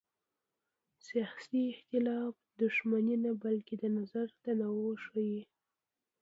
سیاسي اختلاف دښمني نه بلکې د نظر تنوع ښيي